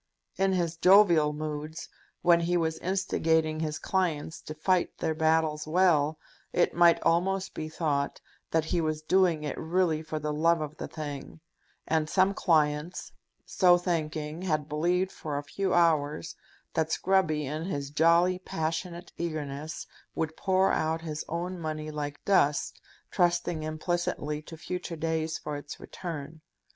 In his jovial moods, when he was instigating his clients to fight their battles well, it might almost be thought that he was doing it really for the love of the thing; and some clients, so thinking, had believed for a few hours that Scruby, in his jolly, passionate eagerness, would pour out his own money like dust, trusting implicitly to future days for its return.